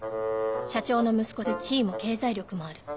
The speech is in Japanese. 社長の息子で地位も経済力もある